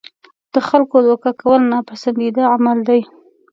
د خلکو دوکه کول ناپسندیده عمل دی.